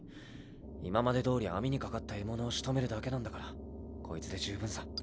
今までどおり網に掛かった獲物をしとめるだけなんだからこいつで十分さ。